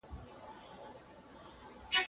له ازله د انسان د لاس مریی وو